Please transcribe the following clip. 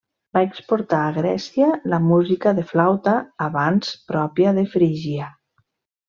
Va exportar a Grècia la música de flauta abans pròpia de Frígia.